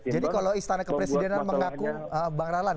jadi kalau istana kepresidenan mengaku bang rahlan